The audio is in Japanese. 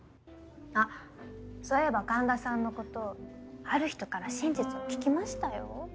あっそういえば神田さんのことある人から真実を聞きましたよ